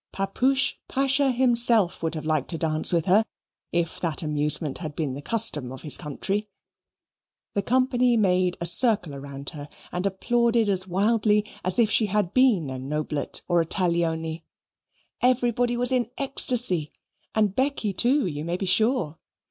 Papoosh Pasha himself would have liked to dance with her if that amusement had been the custom of his country. The company made a circle round her and applauded as wildly as if she had been a Noblet or a Taglioni. Everybody was in ecstacy; and Becky too, you may be sure.